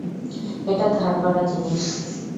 এটা ধার করা জিনিস।